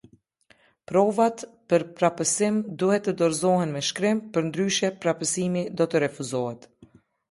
Provat për prapësim duhet të dorëzohen me shkrim, përndryshe prapësimi do të refuzohet.